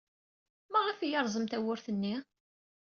Maɣef ay yerẓem tawwurt-nni?